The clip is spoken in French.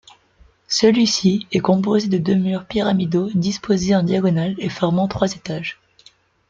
Celui-ci est composé de deux murs pyramidaux disposés en diagonale et formant trois étages.